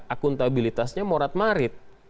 akuntabilitasnya morat marit